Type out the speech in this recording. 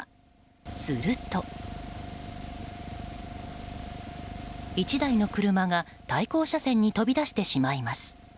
すると、１台の車が対向車線に飛び出してしまいます。